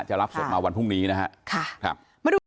จะรับสบมาวันพรุ่งนี้นะฮะค่ะมาดู